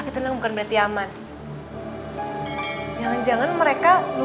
kita gak mungkin diem aja kan